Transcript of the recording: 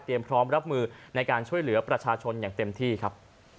พร้อมรับมือในการช่วยเหลือประชาชนอย่างเต็มที่ครับ